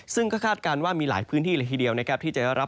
ซึ่งก็คาดการณ์ว่ามีหลายพื้นที่เลยทีเดียวนะครับที่จะได้รับ